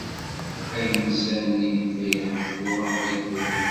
Agensa-nni la iḥebbu ɣef Wayyur.